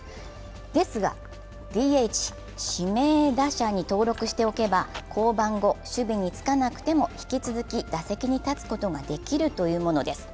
ですがＤＨ・指名打者に登録しておけば降板後、守備につかなくても引き続き打席に立つことができるというものです。